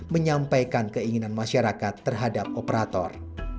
menyampaikan keinginan masyarakat terhadap operator